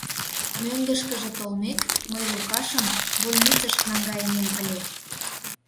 Мӧҥгышкыжӧ толмек, мый Лукашым больницыш наҥгайынем ыле.